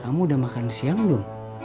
kamu udah makan siang belum